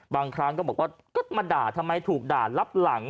บางครั้งก็บอกว่าก็มาด่าทำไมถูกด่ารับหลัง